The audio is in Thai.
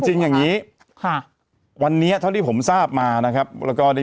จริงอย่างงี้ค่ะวันนี้เท่าที่ผมทราบมานะครับแล้วก็ได้